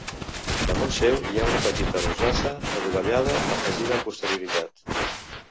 Damunt seu hi ha una petita rosassa adovellada afegida amb posterioritat.